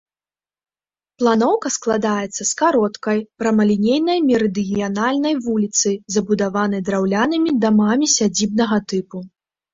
Планоўка складаецца з кароткай, прамалінейнай мерыдыянальнай вуліцы, забудаванай драўлянымі дамамі сядзібнага тыпу.